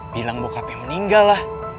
bilang bokapnya meninggal lah